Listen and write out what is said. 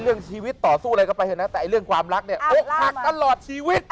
เรื่องชีวิตต่อสู้อะไรก็ไปเถอะนะแต่เรื่องความรักเนี่ยอกหักตลอดชีวิต